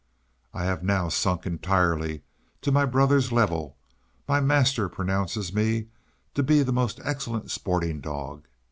I have now sunk entirely to my brother's level. My master pronounces me to be a most excellent sporting dog.